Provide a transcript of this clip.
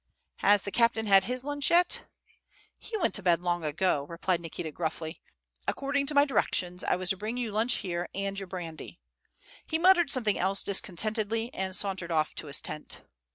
"Has the captain had his lunch yet?" "He went to bed long ago," replied Nikita, gruffly, "According to my directions, I was to bring you lunch here and your brandy." He muttered something else discontentedly, and sauntered off to his tent.